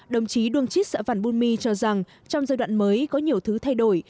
đồng chí đương chít sở văn bùn my cho rằng trong giai đoạn mới có nhiều thứ thay đổi